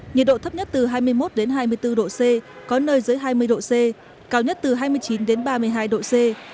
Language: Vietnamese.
nhiệt độ thấp nhất từ hai mươi một hai mươi bốn độ c có nơi dưới hai mươi độ c cao nhất từ hai mươi chín đến ba mươi hai độ c